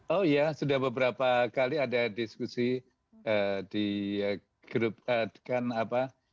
oh iya sudah beberapa kali ada diskusi di grup kan apa